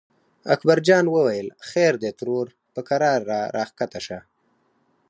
اکبر جان وویل: خیر دی ترور په کراره راکښته شه.